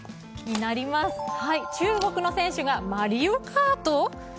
中国の選手がマリオカート？